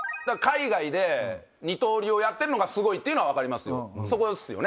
海外で二刀流をやってるのがすごいっていうのは分かります。